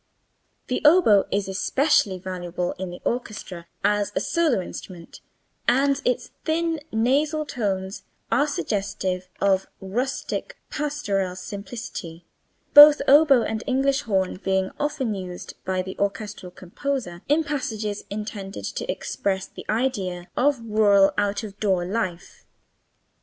The oboe is especially valuable in the orchestra as a solo instrument, and its thin, nasal tones are suggestive of rustic, pastoral simplicity, both oboe and English horn being often used by orchestral composers in passages intended to express the idea of rural out of door life.